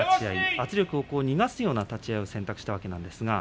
圧力を逃がすような立ち合いを選択したわけです。